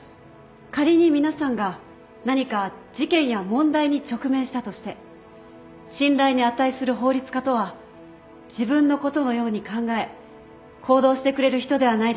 仮に皆さんが何か事件や問題に直面したとして信頼に値する法律家とは自分のことのように考え行動してくれる人ではないでしょうか。